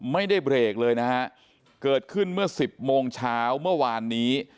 ไม่ได้เบรกเลยนะฮะเกิดขึ้นเมื่อสิบโมงเช้าเมื่อวานนี้